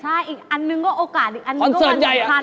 ใช่อีกอันนึงก็โอกาสอีกอันหนึ่งก็อันสำคัญ